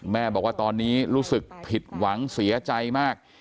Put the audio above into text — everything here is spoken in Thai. แม่บอกว่าตอนนี้รู้สึกผิดหวังเสียใจมาก